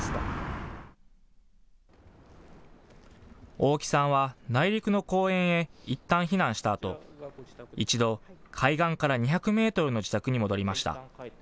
大木さんは内陸の公園へいったん避難したあと一度、海岸から２００メートルの自宅に戻りました。